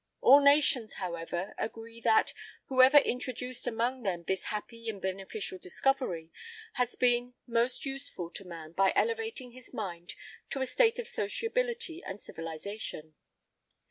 All nations, however, agree that, whoever introduced among them this happy and beneficial discovery, has been most useful to man by elevating his mind to a state of sociability and civilization.